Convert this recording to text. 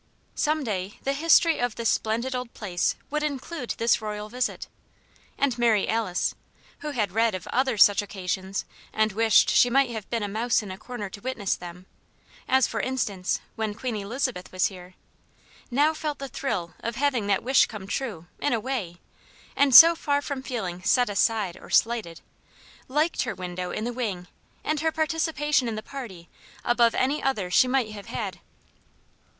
Some day the history of this splendid old place would include this royal visit; and Mary Alice, who had read of other such occasions and wished she might have been a mouse in a corner to witness them as, for instance, when Queen Elizabeth was here now felt the thrill of having that wish come true, in a way; and so far from feeling "set aside" or slighted, liked her window in the wing and her participation in the party above any other she might have had.